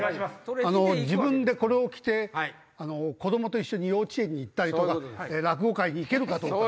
自分でこれを着て子供と一緒に幼稚園に行ったりとか落語会に行けるかとか。